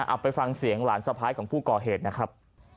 เอาไปฟังเสียงหลานสะพ้ายของผู้ก่อเหตุนะครับ